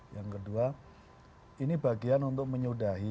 yang kedua ini bagian untuk menyudahi